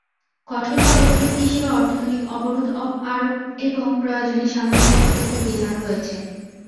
কঠোর পদক্ষেপ হিসেবে অর্থনৈতিক অবরোধ আরোপ এবং প্রয়োজনে সামরিক হস্তক্ষেপের বিধানও রয়েছে।